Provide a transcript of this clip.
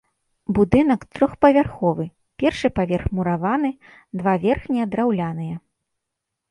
Будынак трохпавярховы, першы паверх мураваны, два верхнія драўляныя.